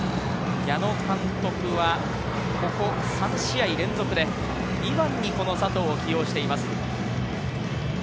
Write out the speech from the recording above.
矢野監督はここ３試合連続で２番にこの佐藤を起用しています。